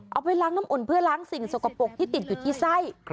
เอาไปล้างน้ำอุ่นเพื่อล้างสิ่งสกปรกที่ติดอยู่ที่ไส้